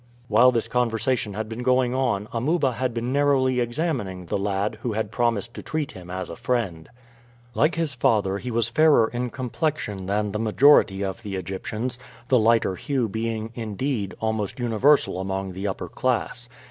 While this conversation had been going on Amuba had been narrowly examining the lad who had promised to treat him as a friend. Like his father he was fairer in complexion than the majority of the Egyptians, the lighter hue being, indeed, almost universal among the upper class.